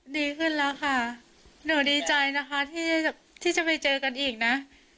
ดีขึ้นแล้วค่ะหนูดีใจนะคะที่จะไปเจอกันอีกนะ